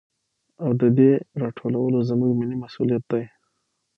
او د دې راټولو زموږ ملي مسوليت دى.